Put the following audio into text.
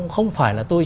không phải là tôi